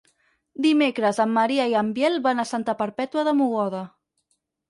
Dimecres en Maria i en Biel van a Santa Perpètua de Mogoda.